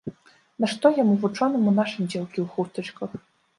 Нашто яму, вучонаму, нашы дзеўкі ў хустачках?